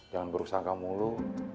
jangan buruk sangka mulu